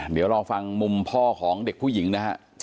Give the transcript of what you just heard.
เดี๋ยวรอฟังมุมพ่อของเด็กผู้หญิงนะฮะ